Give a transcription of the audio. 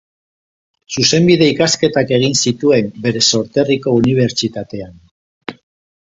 Zuzenbide ikasketak egin zituen bere sorterriko Unibertsitatean.